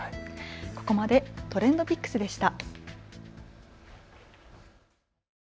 ここまでＴｒｅｎｄＰｉｃｋｓでした。